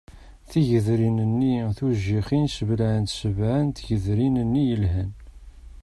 Tigedrin-nni tujjixin sbelɛent sebɛa n tgedrin-nni yelhan.